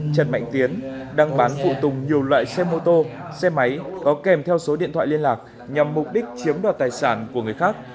trần mạnh tiến đang bán phụ tùng nhiều loại xe mô tô xe máy có kèm theo số điện thoại liên lạc nhằm mục đích chiếm đoạt tài sản của người khác